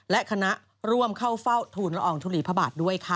และคณะร่วมเข้าเฝ้าทูลละอองทุลีพระบาทด้วยค่ะ